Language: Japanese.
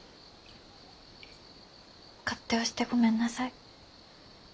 勝手をしてごめんなさい。